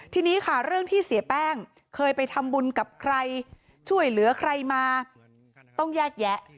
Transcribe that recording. ทีนี้ค่ะเรื่องที่เสียแป้งเคยไปทำบุญกับใครช่วยเหลือใครมาต้องแยกแยะ